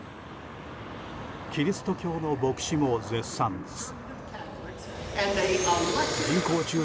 キリスト教の牧師も絶賛です。